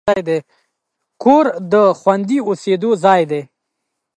کور د خوندي اوسېدو ځای دی.